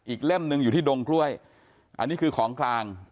เล่มหนึ่งอยู่ที่ดงกล้วยอันนี้คือของกลาง